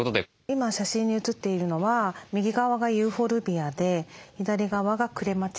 今写真に写っているのは右側がユーフォルビアで左側がクレマチスです。